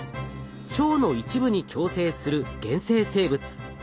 腸の一部に共生する原生生物。